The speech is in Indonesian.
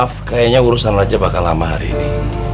maaf kayaknya urusan aja bakal lama hari ini